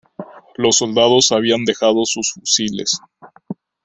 Los soldados habían dejado sus fusiles.